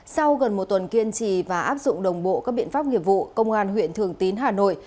sau gần một tuần kiên trì và áp dụng đồng bộ các biện pháp nghiệp vụ công an huyện thường tín hà nội